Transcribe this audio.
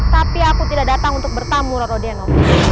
tapi aku tidak datang untuk bertamu rorodeno